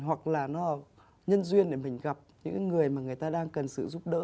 hoặc là nó nhân duyên để mình gặp những người mà người ta đang cần sự giúp đỡ